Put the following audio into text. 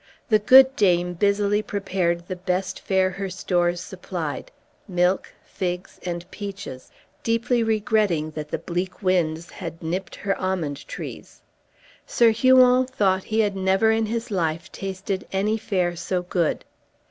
The good dame busily prepared the best fare her stores supplied, milk, figs, and peaches, deeply regretting that the bleak winds had nipped her almond trees. Sir Huon thought he had never in his life tasted any fare so good.